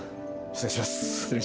失礼します。